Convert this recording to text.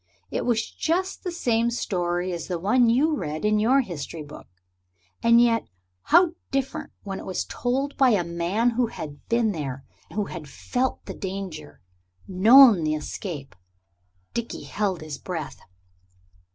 It was just the same story as the one you read in your history book and yet how different, when it was told by a man who had been there, who had felt the danger, known the escape. Dickie held his breath.